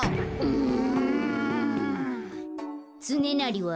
うん。